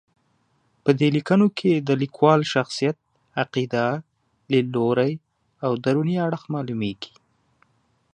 په دې لیکنو کې د لیکوال شخصیت، عقیده، لید لوری او دروني اړخ معلومېږي.